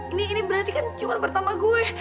ini ini berarti kan cuma bertama gue